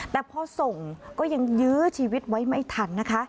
แต่พอส่งก็ยังยื้อชีวิตไว้ไม่ทันนะคะ